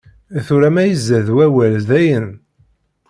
Tura ma izad wawal dayen.